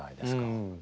うん。